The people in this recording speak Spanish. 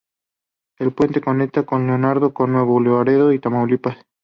El puente conecta a Laredo con Nuevo Laredo, Tamaulipas.